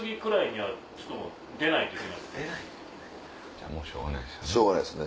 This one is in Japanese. じゃあしょうがないですよね。